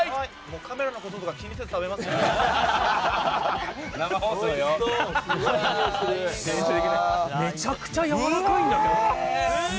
カメラのこととか気にせず食べます。